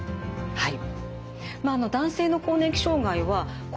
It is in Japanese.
はい。